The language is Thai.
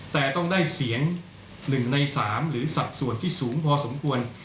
แต่ต้องได้เสียง๑ใน๓หรือสัดส่วนที่สูงพอสมควร